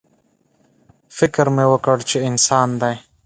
_فکر مې وکړ چې انسان دی.